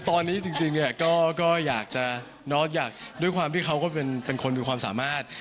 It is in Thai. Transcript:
ตอนนี้จริงจริงเนี้ยก็ก็อยากจะนอกอยากด้วยความที่เขาก็เป็นเป็นคนมีความสามารถ